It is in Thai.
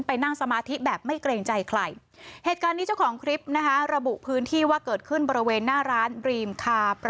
ไปนั่งสมาธิแบบไม่เกร็งใจใครเหตุการณ์ที่เจ้าทาง